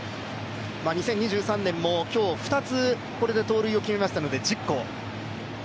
２０２３年も今日２つ、これで盗塁を決めましたので１０個。